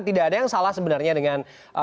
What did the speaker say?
tidak ada yang salah sebenarnya dengan